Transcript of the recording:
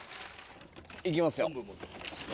行きますよ。